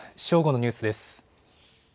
正午のニュースです。